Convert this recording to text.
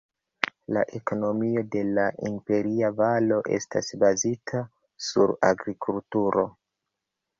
La ekonomio de la Imperia Valo estas bazita sur agrikulturo.